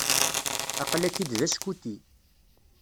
Aql-ak-id d askuti.